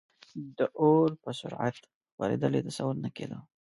د اور په سرعت خورېدل یې تصور نه کېده.